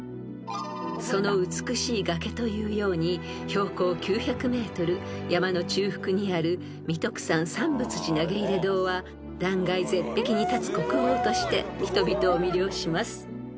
［その美しい崖というように標高９００ｍ山の中腹にある三徳山三佛寺投入堂は断崖絶壁に立つ国宝として人々を魅了します］